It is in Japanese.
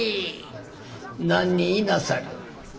「何人いなさる？」。